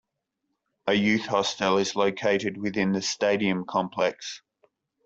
A Youth Hostel is located within the Stadium complex.